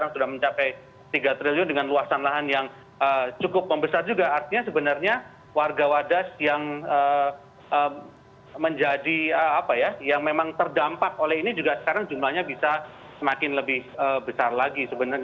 siapa orang orang yang memerintahkan